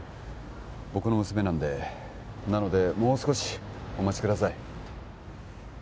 僕の娘なんでなのでもう少しお待ちください